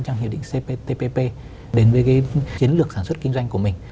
trong hiệp định cptpp đến với cái chiến lược sản xuất kinh doanh của mình